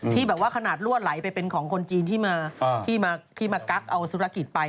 ที่แบบว่าขนาดรั่วไหลไปเป็นของคนจีนที่มาที่มากั๊กเอาธุรกิจไป